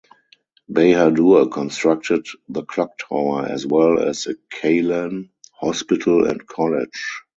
Bahadur constructed the clock tower as well as the Kalyan Hospital and College.